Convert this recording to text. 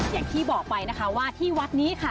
อย่างที่บอกไปนะคะว่าที่วัดนี้ค่ะ